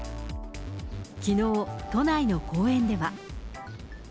きのう、都内の公園では。